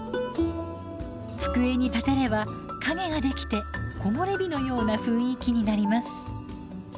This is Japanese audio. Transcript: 机に立てれば影ができて木漏れ日のような雰囲気になります。